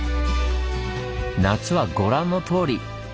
夏はご覧のとおり！